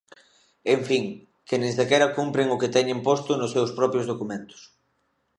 En fin, que nin sequera cumpren o que teñen posto nos seus propios documentos.